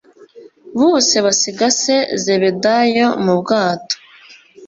bose basiga se zebedayo mu bwato.